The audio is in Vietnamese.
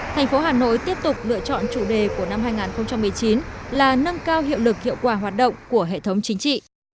thành phố hà nội tiếp tục lựa chọn chủ đề của năm hai nghìn một mươi chín là nâng cao hiệu lực hiệu quả hoạt động của hệ thống chính trị